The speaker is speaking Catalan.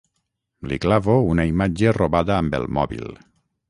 Li clavo una imatge robada amb el mòbil.